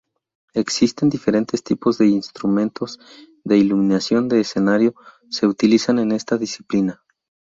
Existen diferentes tipos de instrumentos de iluminación de escenario se utilizan en esta disciplina.